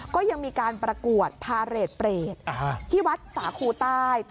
ก็ยังมีการประกวดพาเรทเปรตที่วัดสาคูใต้